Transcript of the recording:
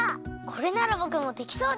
これならぼくもできそうです！